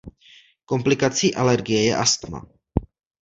Komplikací alergie je astma.